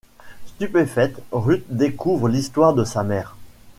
Stupéfaite, Ruth découvre l'histoire de sa mère.